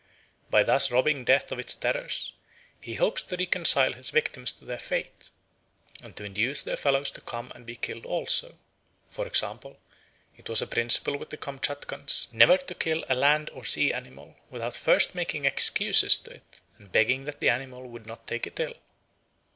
By thus robbing death of its terrors, he hopes to reconcile his victims to their fate and to induce their fellows to come and be killed also. For example, it was a principle with the Kamtchatkans never to kill a land or sea animal without first making excuses to it and begging that the animal would not take it ill.